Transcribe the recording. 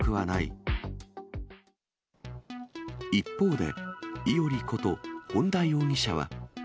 一方で、伊織こと、本田容疑者は。